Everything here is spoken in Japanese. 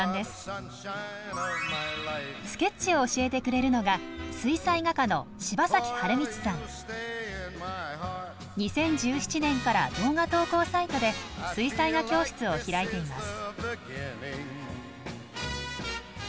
スケッチを教えてくれるのが２０１７年から動画投稿サイトで水彩画教室を開いています。